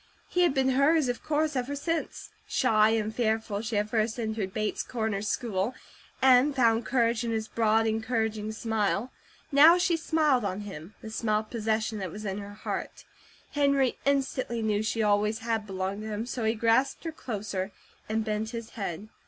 He had been hers, of course, ever since, shy and fearful, she had first entered Bates Corners school, and found courage in his broad, encouraging smile. Now she smiled on him, the smile of possession that was in her heart. Henry instantly knew she always had belonged to him, so he grasped her closer, and bent his head.